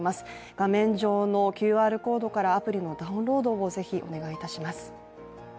画面上のＱＲコードからアプリのダウンロードを是非お願いいたします。